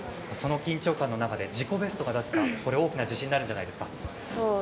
その緊張感の中で自己ベストが出せたこれは大きな自信になるんじゃないですか？